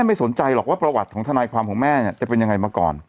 ปรากฏวิบวัตน์ล้มละลายมาก่อน